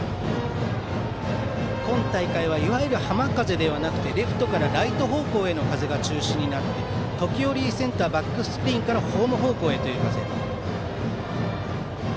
今大会はいわゆる浜風ではなくてレフトからライト方向への風が中心になって、時折センターバックスクリーンからホーム方向へという風。